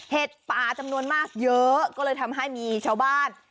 ป่าจำนวนมากเยอะก็เลยทำให้มีชาวบ้าน